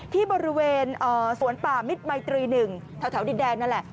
ที่บริเวณสวนป่ามิตรมัยตรี๑แถวดินแดงนั่นแหละ